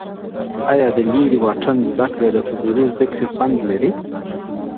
آیا د لري واټن زده کړه د حضوري زده کړي خوند لري؟